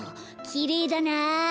きれいだなあ。